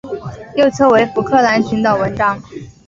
右侧为福克兰群岛纹章。